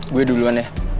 gue duluan ya